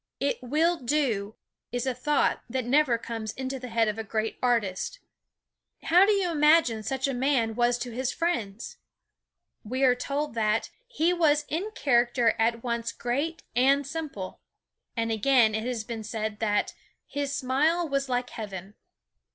It will do is a thought that never comes into the head of a great artist. How do you imagine such a man was to his friends? We are told that, "he was in character at once great and simple." And again it has been said that, "his smile was like heaven."